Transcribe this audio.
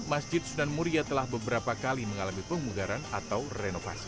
masjid sunan muria telah beberapa kali mengalami pemugaran atau renovasi